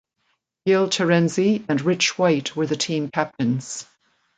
Gil Terenzi and Rich White were the team captains.